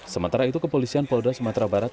sementara itu kepolisian polda sumatera barat